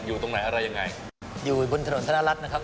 อยู่ตรงไหนอะไรยังไงอยู่บนถนนธนรัฐนะครับ